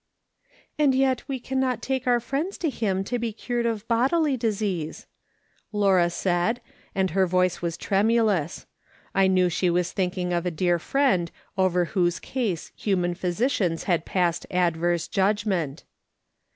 "" And yet we cannot take our friends to him to be cured of bodily disease," Laura said, and her voice Avas tremulous ; I knew she was flunking of a dear friend over whose case human physicians had passed adverse judgment.